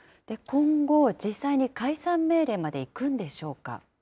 今後、実際に解散命令までいくんでしょうか。